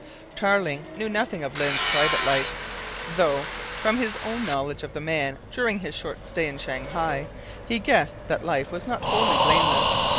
Tarling knew nothing of Lyne's private life, though from his own knowledge of the man during his short stay in Shanghai, he guessed that that life was not wholly blameless.